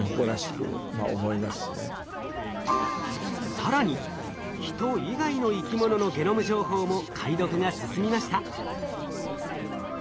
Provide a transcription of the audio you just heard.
更に人以外の生き物のゲノム情報も解読が進みました。